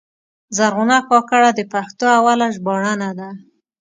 زرغونه کاکړه د پښتو اوله ژباړنه ده.